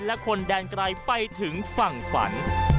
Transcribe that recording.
และคนแดนไกลไปถึงฝั่งฝัน